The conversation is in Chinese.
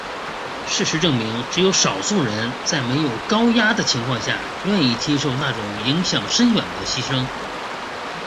事实证明只有少数人在没有高压的情况下愿意接受那种影响深远的牺牲。